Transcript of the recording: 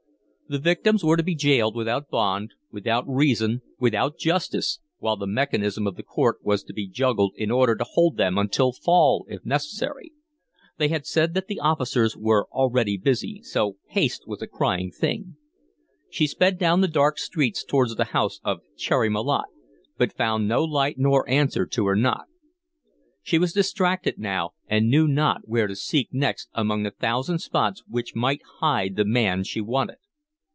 The victims were to be jailed without bond, without reason, without justice, while the mechanism of the court was to be juggled in order to hold them until fall, if necessary. They had said that the officers were already busy, so haste was a crying thing. She sped down the dark streets towards the house of Cherry Malotte, but found no light nor answer to her knock. She was distracted now, and knew not where to seek next among the thousand spots which might hide the man she wanted.